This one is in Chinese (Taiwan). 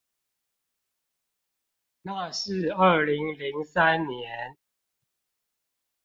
那是二零零三年